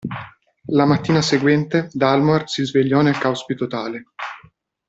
La mattina seguente Dalmor si svegliò nel caos più totale.